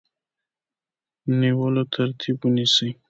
نیولو ترتیب ونیسي.